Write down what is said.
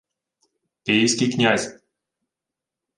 — Київський князь.